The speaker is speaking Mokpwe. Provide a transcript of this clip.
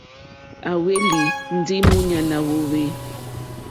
À hwélì ndí múɲánà wòòwê.